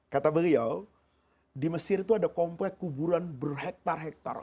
kata beliau di mesir itu ada komplek kuburan berhektar hektar